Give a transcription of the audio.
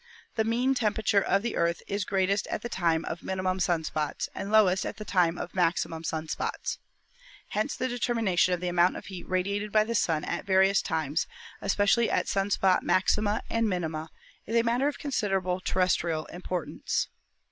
The mean temperature of the Earth is greatest at the time of minimum sun spots and lowest at time of maximum sun spots. Hence the determi nation of the amount of heat radiated by the Sun at vari ous times, especially at sun spot maxima and minima, is a matter of considerable terrestrial importance.